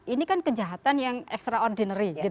ini kan kejahatan yang extraordinary